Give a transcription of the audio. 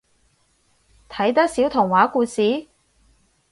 睇得少童話故事？